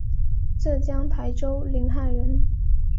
浙江台州临海人。